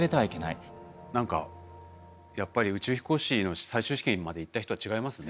何かやっぱり宇宙飛行士の最終試験まで行った人は違いますね。